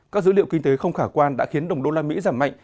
các dữ liệu kinh tế không khả quan đã khiến đồng đô la mỹ giảm mạnh